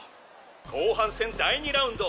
後半戦第２ラウンド。